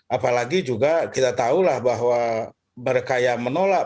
apalagi juga kita tahulah bahwa berkaya menurut saya ya